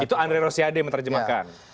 itu andre rosiade yang menerjemahkan